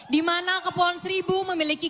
di mana kepulauan seribu memiliki